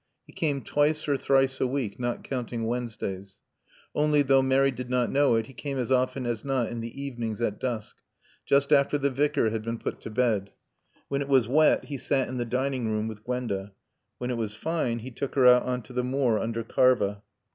He came twice or thrice a week; not counting Wednesdays. Only, though Mary did not know it, he came as often as not in the evenings at dusk, just after the Vicar had been put to bed. When it was wet he sat in the dining room with Gwenda. When it was fine he took her out on to the moor under Karva.